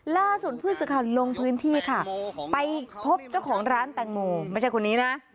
ล่าสุดผู้สื่อข่าวลงพื้นที่ค่ะไปพบเจ้าของร้านแตงโมไม่ใช่คนนี้นะ